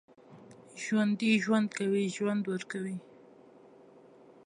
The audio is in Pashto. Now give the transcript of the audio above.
ژوندي ژوند کوي، ژوند ورکوي